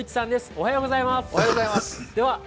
おはようございます。